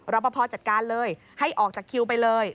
รอปภจัดการเลยให้ออกจากคิวไปเลย